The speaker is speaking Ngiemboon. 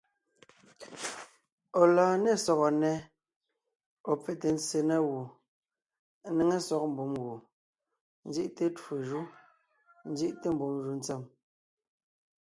Ɔ̀ lɔɔn ne sɔgɔ nnɛ́, ɔ̀ pfɛte ntse na gù, ńnéŋe sɔg mbùm gù, ńzí’te twó jú, ńzí’te mbùm jù ntsèm.